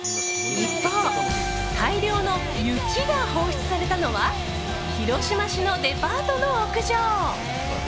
一方、大量の雪が放出されたのは広島市のデパートの屋上。